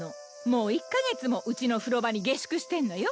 もう１カ月もうちの風呂場に下宿してんのよ。